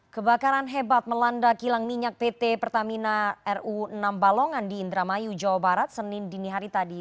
kebakaran hebat melanda kilang minyak pt pertamina ru enam balongan di indramayu jawa barat senin dini hari tadi